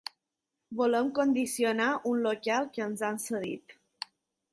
Volem condicionar un local que ens han cedit.